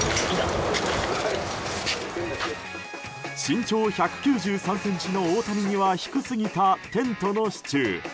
身長１９３ｃｍの大谷には低すぎたテントの支柱。